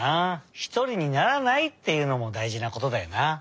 ひとりにならないっていうのもだいじなことだよな。